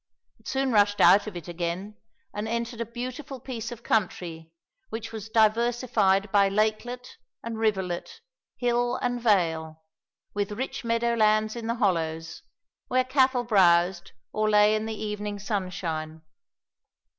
It soon rushed out of it again and entered a beautiful piece of country which was diversified by lakelet and rivulet, hill and vale, with rich meadow lands in the hollows, where cattle browsed or lay in the evening sunshine.